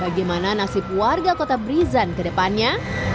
bagaimana nasib warga kota brisan kedepannya